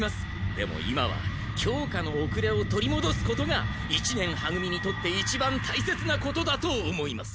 でも今は教科のおくれを取りもどすことが一年は組にとっていちばんたいせつなことだと思います。